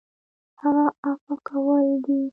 هغه عفوه کول دي .